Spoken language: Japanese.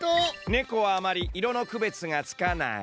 ねこはあまりいろのくべつがつかない。